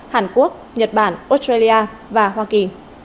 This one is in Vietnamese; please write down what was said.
hàn quốc nhật bản australia và hoa kỳ